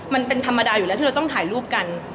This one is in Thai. มันเป็นธรรมดาอยู่แล้วที่เราต้องถ่ายรูปกัน